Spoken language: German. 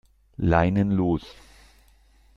Leinen los!